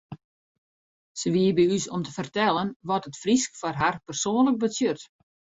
Se wie by ús om te fertellen wat it Frysk foar har persoanlik betsjut.